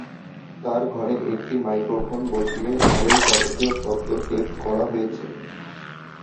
তার ঘরে একটি মাইক্রোফোন বসিয়ে ঘরের যাবতীয় শব্দ টেপ করা হয়েছে।